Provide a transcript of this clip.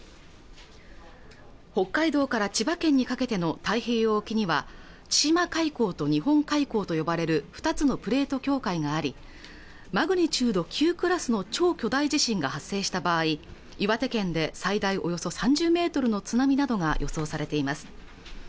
北海道から千葉県にかけての太平洋沖には千島海溝と日本海溝と呼ばれる２つのプレート境界がありマグニチュード９クラスの超巨大地震が発生した場合岩手県で最大およそ３０ｍの津波などが予想されています